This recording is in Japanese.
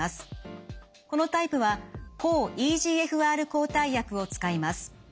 このタイプは抗ＥＧＦＲ抗体薬を使います。